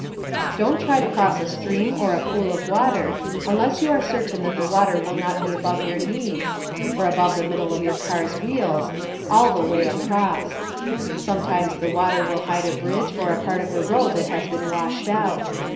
Don't try to cross a stream or a pool of water unless you are certain that the water will not be above your knees (or above the middle of your car's wheels) all the way across. Sometimes the water will hide a bridge or a part of the road that has been washed out.